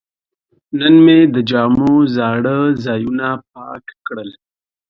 نن مې د جامو زاړه ځایونه پاک کړل.